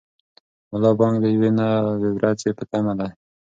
ملا بانګ د یوې نوې ورځې په تمه دی.